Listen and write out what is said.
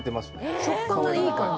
食感がいい感じ。